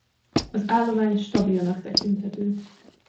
Az állomány stabilnak tekinthető.